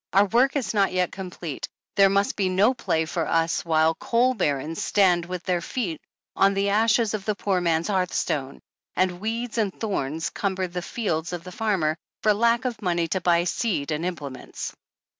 Our work is not yet complete. There must be no play for us while coal barons stand with their feet on the ashes of the poor man's hearthstone, and weeds and thorns cumber the fields of the farmer for lack of money to buy seed and implements.